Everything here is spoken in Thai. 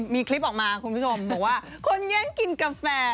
มีคลิปออกมาคุณผู้ชมบอกว่าคนแย่งกินกาแฟ